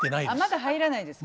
まだ入らないですか？